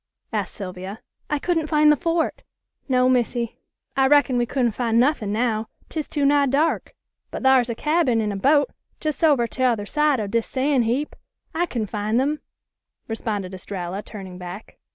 asked Sylvia. "I couldn't find the fort." "No, Missy; I reckon we couldn't fin' nuthin' now, 'tis too nigh dark. But thar's a cabin an' a boat jes' over t'other side o' dis san' heap. I kin fin' them," responded Estralla, turning back.